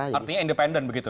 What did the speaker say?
artinya independen begitu